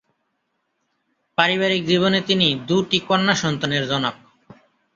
পারিবারিক জীবনে তিনি দুটি কন্যা সন্তানের জনক।